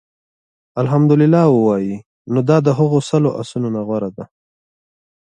اَلْحَمْدُ لِلَّه ووايي، نو دا د هغو سلو آسونو نه غوره دي